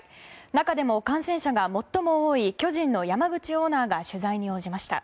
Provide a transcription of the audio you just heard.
中でも、感染者が最も多い巨人の山口オーナーが取材に応じました。